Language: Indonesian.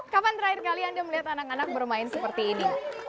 kapan terakhir kalian melihat anak anak bermain seperti ini